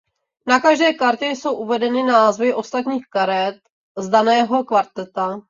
Na každé kartě jsou uvedeny názvy ostatních karet z daného kvarteta.